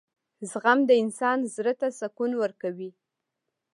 • زغم د انسان زړۀ ته سکون ورکوي.